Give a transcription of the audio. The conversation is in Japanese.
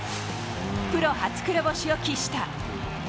プロ初黒星を喫した。